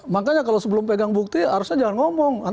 makanya kalau sebelum pegang bukti harusnya jangan ngomong